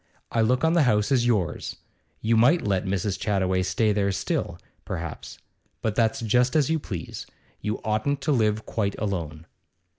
I look on the house as yours. You might let Mrs. Chattaway stay there still, perhaps; but that's just as you please. You oughtn't to live quite alone.